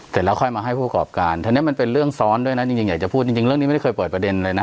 เสร็จแล้วค่อยมาให้ผู้ประกอบการทีนี้มันเป็นเรื่องซ้อนด้วยนะจริงอยากจะพูดจริงเรื่องนี้ไม่ได้เคยเปิดประเด็นเลยนะ